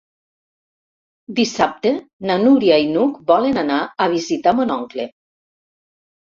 Dissabte na Núria i n'Hug volen anar a visitar mon oncle.